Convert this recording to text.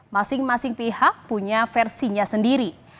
masing masing pihak punya versinya sendiri